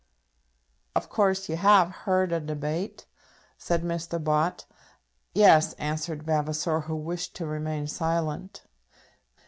"Of course you have heard a debate?" said Mr. Bott. "Yes," answered Vavasor, who wished to remain silent.